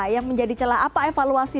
yang menjadi celah apa evaluasi